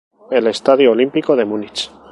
El Estadio Olímpico de Múnich.